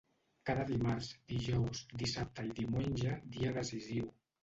Cada dimarts, dijous, dissabte i diumenge, dia decisiu.